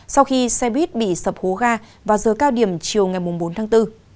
sau khi xe buýt bị sập hố ga vào giờ cao điểm chiều ngày bốn tháng bốn